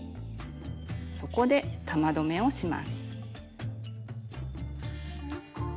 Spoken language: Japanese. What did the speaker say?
そこで玉留めをします。